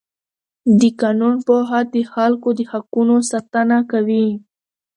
د قانون پوهه د خلکو د حقونو ساتنه کوي.